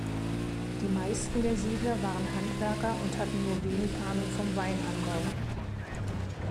Die meisten der Siedler waren Handwerker und hatten nur wenig Ahnung vom Weinanbau.